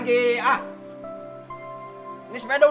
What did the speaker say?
kamu mau ke sekolah